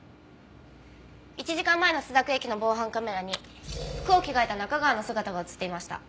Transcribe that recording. １時間前の朱雀駅の防犯カメラに服を着替えた中川の姿が映っていました。